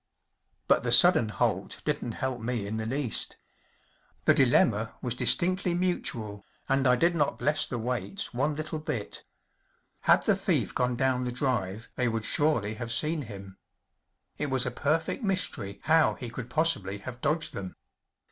But the sudden halt didn’t help me in the least. The dilemma was distinctly mutual, and I did not bless the waits one little bit. Had the thief gone down the drive they would surely have seen him. It was a perfect mystery how he could possibly have dodged them.